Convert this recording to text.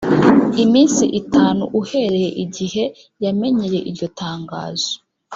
iminsi itanu uhereye igihe yamenyeye iryo tangazo